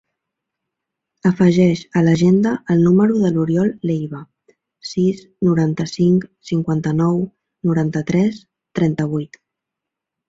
Afegeix a l'agenda el número de l'Oriol Leyva: sis, noranta-cinc, cinquanta-nou, noranta-tres, trenta-vuit.